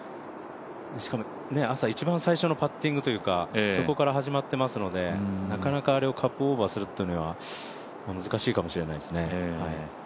しかも朝一番最初のパッティングというか、そこから始まっているのでなかなかあれをカップオーバーするっていうのは難しいかもしれないですね。